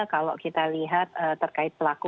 kalau kita lihat terkait pelaku